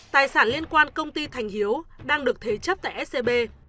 tài sản liên quan công ty thành hiếu đang được thế chấp tại scb